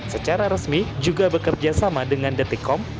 secara resmi juga bekerja sama dengan detikom